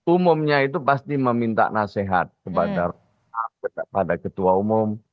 umumnya itu pasti meminta nasihat kepada ketua umum